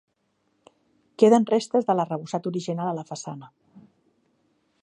Queden restes de l'arrebossat original a la façana.